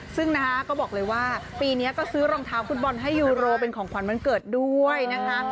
ซึ่งนะคะก็บอกเลยว่าปีนี้ก็ซื้อรองเท้าฟุตบอลให้ยูโรเป็นของขวัญวันเกิดด้วยนะคะ